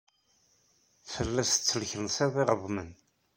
Telliḍ tettelkensiḍ iɣeḍmen.